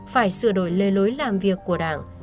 phải sửa đổi lề lối làm việc của đảng